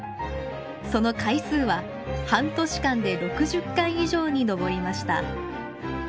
その回数は、半年間で６０回以上に上りました。